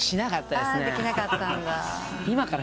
できなかったんだ。